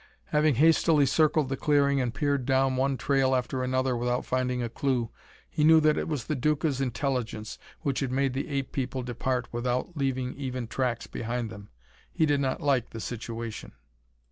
Having hastily circled the clearing and peered down one trail after another without finding a clue, he knew that it was the Duca's intelligence which had made the ape people depart without leaving even tracks behind them. He did not like the situation.